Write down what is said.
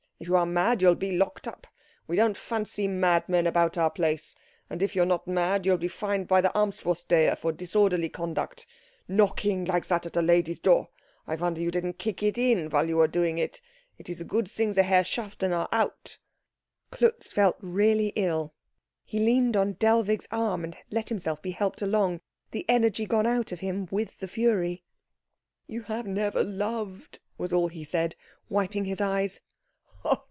If you are mad you'll be locked up. We don't fancy madmen about our place. And if you're not mad you'll be fined by the Amtsvorsteher for disorderly conduct. Knocking like that at a lady's door! I wonder you didn't kick it in, while you were about it. It's a good thing the Herrschaften are out." Klutz really felt ill. He leaned on Dellwig's arm and let himself be helped along, the energy gone out of him with the fury. "You have never loved," was all he said, wiping his eyes.